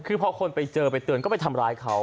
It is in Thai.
คือพอคนไปเจอไปเตือนก็ไปทำร้ายเขา